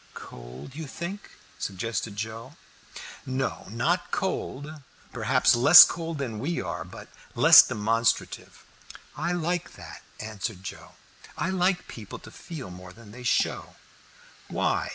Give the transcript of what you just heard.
"Cold, you think?" suggested Joe. "No, not cold. Perhaps less cold than we are; but less demonstrative." "I like that," answered Joe. "I like people to feel more than they show." "Why?"